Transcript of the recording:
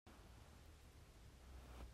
Kathaw ka chuah.